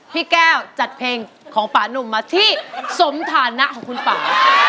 พี่แก้วจัดเพลงของป่านุ่มมาที่สมฐานะของคุณป่า